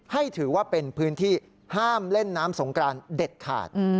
ถือว่าเป็นพื้นที่ห้ามเล่นน้ำสงกรานเด็ดขาด